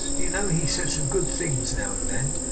Do you know he said some good things now and then?